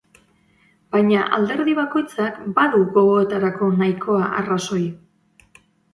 Baina alderdi bakoitzak badu gogoetarako nahikoa arrazoi.